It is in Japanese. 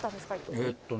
えっとね。